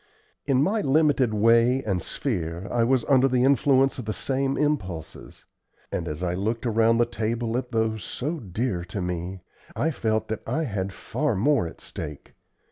In my limited way and sphere I was under the influence of the same impulses; and, as I looked around the table at those so dear to me, I felt that I had far more at stake.